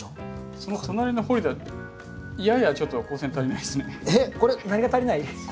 その隣のホリダややちょっと光線足りないですね。